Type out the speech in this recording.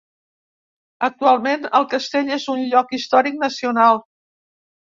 Actualment el castell és un Lloc Històric Nacional.